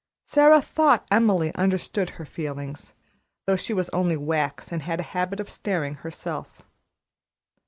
Sara thought Emily understood her feelings, though she was only wax and had a habit of staring herself.